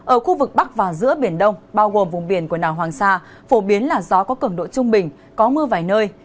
ở khu vực bắc và giữa biển đông bao gồm vùng biển quần đảo hoàng sa phổ biến là gió có cường độ trung bình có mưa vài nơi